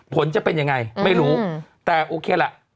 ผลจะเป็นยังไงไม่รู้แต่โอเคล่ะ